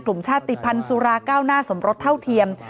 ชาติภัณฑ์สุราเก้าหน้าสมรสเท่าเทียม